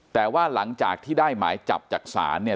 แต่ว่าหลังจากที่ได้หมายจับจากศาลเนี่ย